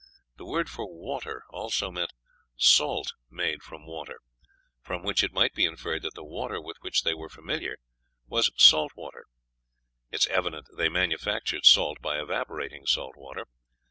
The word for "water" also meant "salt made from water," from which it might be inferred that the water with which they were familiar was saltwater. It is evident they manufactured salt by evaporating salt water.